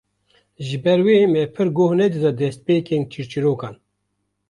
Ji ber wê me pir goh nedida destpêkên çîrçîrokan